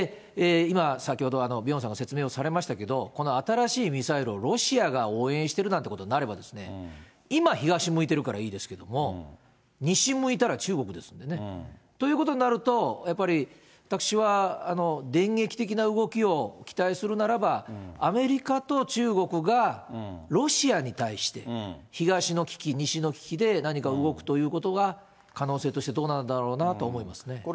今、先ほどピョンさんが説明をされましたけれども、この新しいミサイルをロシアが応援してるなんてことになれば、今、東向いてるからいいですけれども、西向いたら中国ですよね。ということになると、やっぱり私は電撃的な動きを期待するならば、アメリカと中国がロシアに対して、東の危機、西の危機で何か動くということが、可能性としてどうなんだろうなと思いますね。